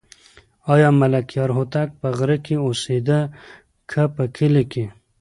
آیا ملکیار هوتک په غره کې اوسېده که په کلي کې؟